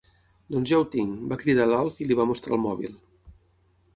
Doncs ja ho tinc! —va cridar l'Alf, i li va mostrar el mòbil—.